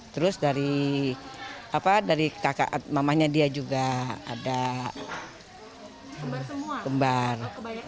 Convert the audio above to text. terus dari kakak mamanya dia juga ada kembar